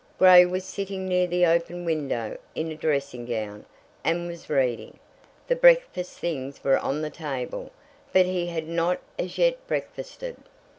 Grey was sitting near the open window, in a dressing gown, and was reading. The breakfast things were on the table, but he had not as yet breakfasted.